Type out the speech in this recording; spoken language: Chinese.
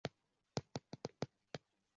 奖项会在决赛日前的夜祭作颁奖。